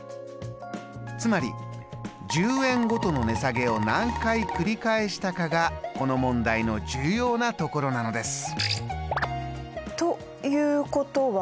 つまり１０円ごとの値下げを何回繰り返したかがこの問題の重要なところなのです！